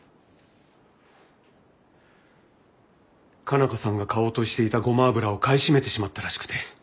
佳奈花さんが買おうとしていたゴマ油を買い占めてしまったらしくて。